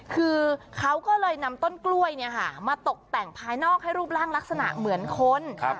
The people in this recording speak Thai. คือเขาก็เลยนำต้นกล้วยมาตกแต่งภายนอกให้รูปร่างลักษณะเหมือนคน